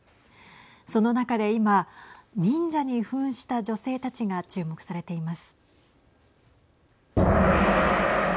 その中で今忍者にふんした女性たちが注目されています。